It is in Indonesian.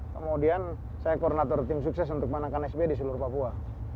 kemudian saya koordinator tim sukses untuk menangkan sb di seluruh papua